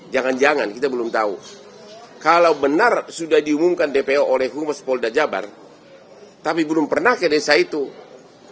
jangan jangan kita belum tahu kalau benar sudah diumumkan dpo oleh humus polda jabar tapi belum pernah kedesa itu pertanyaannya ada apa ini